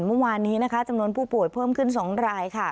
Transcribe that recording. เมื่อวานนี้นะคะจำนวนผู้ป่วยเพิ่มขึ้น๒ราย